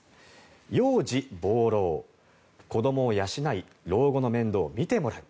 養児防老子どもを養い老後の面倒を見てもらう。